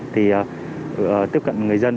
thì tiếp cận người dân